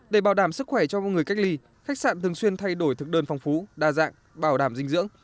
để bảo đảm sức khỏe cho mọi người cách ly khách sạn thường xuyên thay đổi thực đơn phong phú đa dạng bảo đảm dinh dưỡng